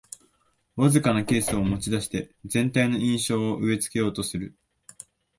わずかなケースを持ちだして全体の印象を植え付けようとする